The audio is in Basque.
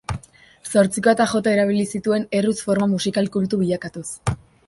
Zortzikoa eta jota erabili zituen erruz forma musikal kultu bilakatuz.